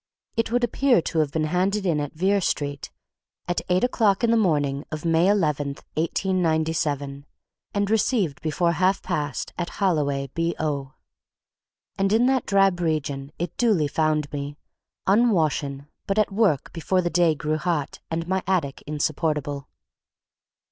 It would appear to have been handed in at Vere Street at eight o'clock in the morning of May 11, 1897, and received before half past at Holloway B.O. And in that drab region it duly found me, unwashen but at work before the day grew hot and my attic insupportable.